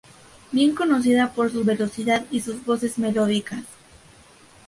Bien conocida por su velocidad y sus voces melódicas.